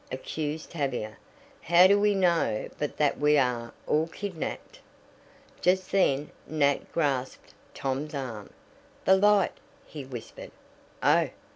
accused Tavia. "How do we know but that we are all kidnapped?" Just then Nat grasped Tom's arm. "The light!" he whispered. "Oh!"